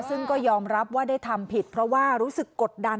ซึ่งก็ยอมรับว่าได้ทำผิดเพราะว่ารู้สึกกดดัน